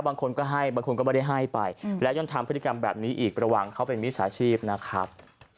บางคนก็ให้บางคนก็ไม่ได้ให้ไปและย่อนทำพฤติกรรมแบบนี้อีกระวังเขาเป็นมิจฉาชีพนะครับ